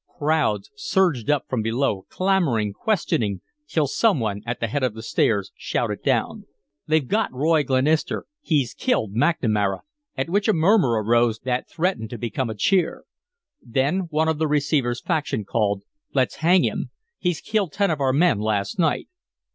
Crowds surged up from below, clamoring, questioning, till some one at the head of the stairs shouted down: "They've got Roy Glenister. He's killed McNamara," at which a murmur arose that threatened to become a cheer. Then one of the receiver's faction called: "Let's hang him. He killed ten of our men last night."